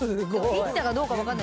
行ったかどうかは分かんない。